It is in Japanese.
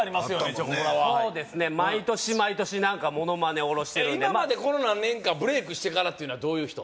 チョコプラはそうですね毎年毎年何かモノマネおろしてるんで今までこの何年かブレイクしてからっていうのはどういう人？